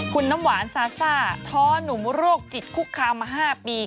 คุณน้ำหวานซาซ่าท้อนุ่มโรคจิตคุกคามมา๕ปี